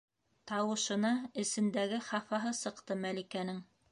- Тауышына эсендәге хафаһы сыҡты Мәликәнең.